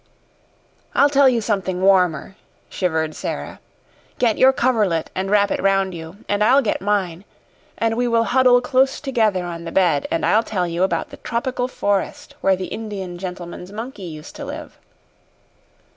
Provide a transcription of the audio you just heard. "I'll tell you something warmer," shivered Sara. "Get your coverlet and wrap it round you, and I'll get mine, and we will huddle close together on the bed, and I'll tell you about the tropical forest where the Indian gentleman's monkey used to live.